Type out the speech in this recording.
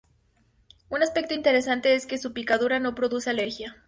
Un aspecto interesante es que su picadura no produce alergia.